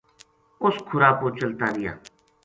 اس کھُرا پو چلتا رہیا